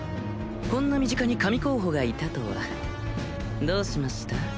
こんな身近に神候補がいたとはどうしました？